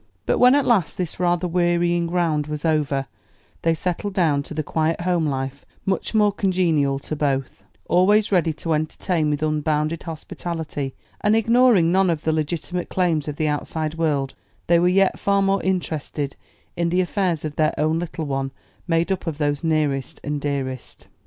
But when at last this rather wearying round was over, they settled down to the quiet home life much more congenial to both; always ready to entertain with unbounded hospitality, and ignoring none of the legitimate claims of the outside world, they were yet far more interested in the affairs of their own little one, made up of those nearest and dearest.